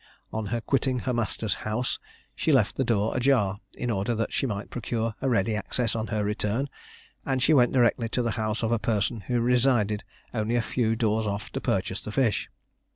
On her quitting her master's house she left the door a jar, in order that she might procure a ready access on her return, and she went directly to the house of a person who resided only a few doors off to purchase the fish.